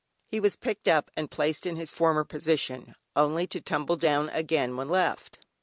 He was picked up and placed in his former position, only to tumble down again when left.